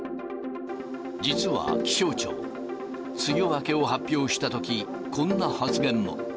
実は気象庁、梅雨明けを発表したとき、こんな発言も。